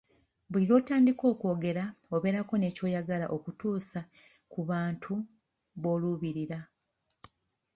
Buli lw'otandika okwogera obeerako ne ky'oyagala okutuusa ku bantu b'oluubirira.